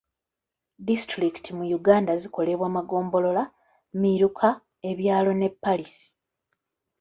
Disitulikiti mu Uganda zikolebwa maggombolola, miruka, ebyalo ne paaliisi.